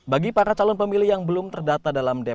bagi para calon pemilih yang belum melakukan ktp elektronik